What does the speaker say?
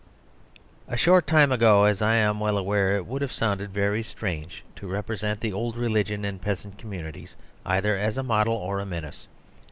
A short time ago, as I am well aware, it would have sounded very strange to represent the old religious and peasant communities either as a model or a menace.